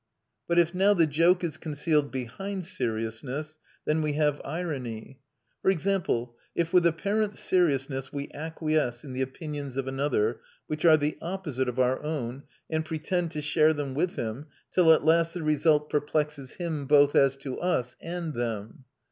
But if now the joke is concealed behind seriousness, then we have irony. For example, if with apparent seriousness we acquiesce in the opinions of another which are the opposite of our own, and pretend to share them with him, till at last the result perplexes him both as to us and them.